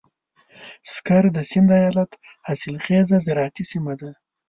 سکر د سيند ايالت حاصلخېزه زراعتي سيمه ده.